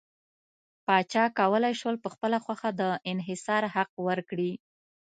پاچا کولای شول په خپله خوښه د انحصار حق ورکړي.